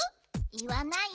いわない？